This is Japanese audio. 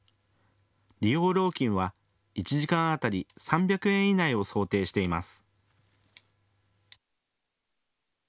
利用料金は１時間当たり３００円以内を想定しています。